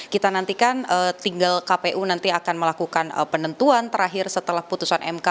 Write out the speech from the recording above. kita nantikan tinggal kpu nanti akan melakukan penentuan terakhir setelah putusan mk